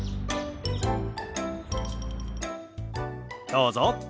どうぞ。